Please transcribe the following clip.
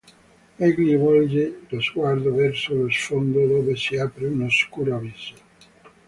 Egli volge lo sguardo verso lo sfondo dove si apre un oscuro abisso.